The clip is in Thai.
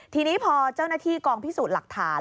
ทีนี้พอเจ้าหน้าที่กองพิสูจน์หลักฐาน